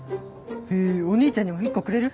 へぇお兄ちゃんにも１個くれる？